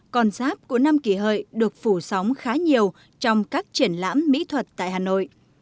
con giáp của năm kỷ hợi được phủ sóng khá nhiều trong các triển lãm mỹ thuật tại hà nội